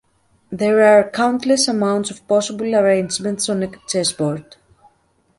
There are countless amounts of possible arrangements on a chessboard.